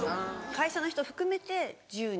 会社の人含めて１０人。